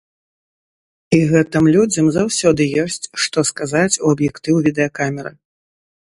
І гэтым людзям заўсёды ёсць што сказаць у аб'ектыў відэакамеры.